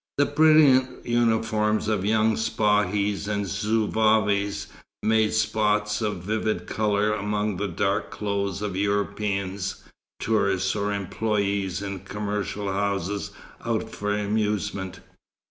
The brilliant uniforms of young Spahis and Zouaves made spots of vivid colour among the dark clothes of Europeans, tourists, or employés in commercial houses out for amusement.